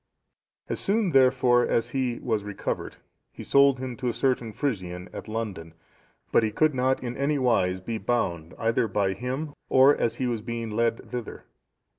As soon, therefore, as he was recovered, he sold him to a certain Frisian at London, but he could not in any wise be bound either by him, or as he was being led thither.